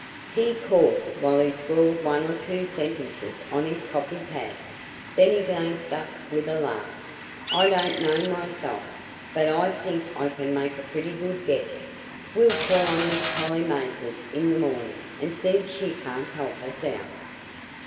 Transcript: He paused while he scrawled one or two sentences on his copy pad, then he glanced up with a laugh. "I don't know myself, but I think I can make a pretty good guess. We'll call on Miss Polly Mathers in the morning and see if she can't help us out."